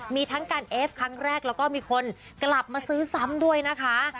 มีทั้งการเอฟครั้งแรกแล้วก็มีคนกลับมาซื้อซ้ำด้วยนะคะ